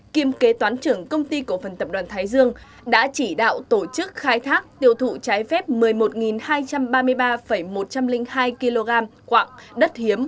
kiêm kế toán trưởng công ty cổ phần tập đoàn thái dương đã chỉ đạo tổ chức khai thác tiêu thụ trái phép một mươi một hai trăm ba mươi ba một trăm linh hai kg quạng đất hiếm